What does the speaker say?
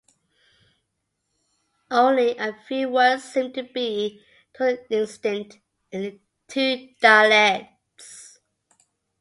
Only a few words seem to be totally distinct in the two dialects.